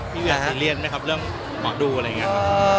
พี่เวียดเสียเรียนไหมครับเรื่องหมอดูอะไรอย่างนี้